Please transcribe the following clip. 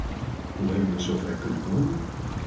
Hoe hebben we zover kunnen komen?